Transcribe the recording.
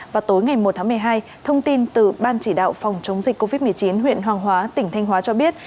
vào tối ngày một tháng một mươi hai thông tin từ ban chỉ đạo phòng chống dịch covid một mươi chín huyện hoàng hóa tỉnh thanh hóa cho biết